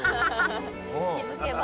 気付けば。